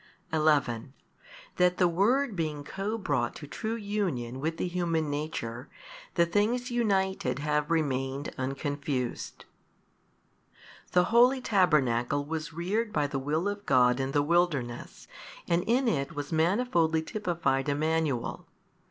11. That the Word being co brought to true union with the human nature, the things united 11 have remained unconfused. The holy Tabernacle was reared by the will of God in the wilderness and in it was manifoldly typified Emmanuel.